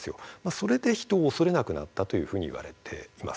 それで人を恐れなくなったというふうに言われています。